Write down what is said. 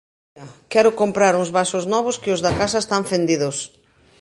Quero comprar uns vasos novos que os da casa están fendidos.